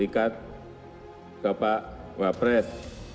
tingkat kepala pres